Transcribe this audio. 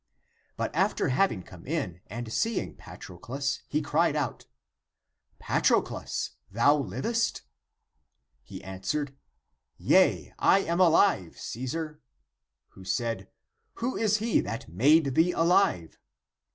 But after having come in, and seeing Patroclus, he cried out, " Patro clus, thou livest?" He answered, "(Yea,) I am alive, Caesar." Who said, " Who is he that made thee alive?